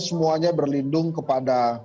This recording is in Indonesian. semuanya berlindung kepada